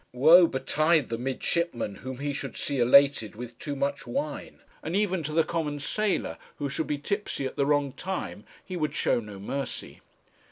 Woe betide the midshipman whom he should see elated with too much wine; and even to the common sailor who should be tipsy at the wrong time, he would show no mercy.